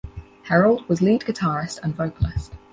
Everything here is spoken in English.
Herald was lead guitarist and vocalist.